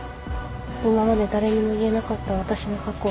今まで誰にも言えなかった私の過去